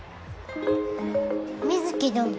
美月どの。